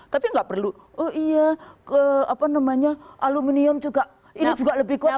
tapi enggak perlu oh iya aluminium juga ini juga lebih kuat